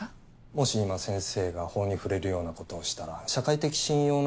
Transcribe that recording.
もし今先生が法に触れるようなことをしたら社会的信用の失墜ということになります。